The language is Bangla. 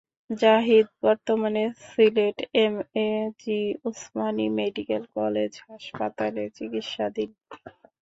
জাহিদ বর্তমানে Sylhet M A G Osmani medical college হাসপাতালে চিকিৎসাধীন।